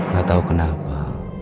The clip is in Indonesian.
gak tahu kenapa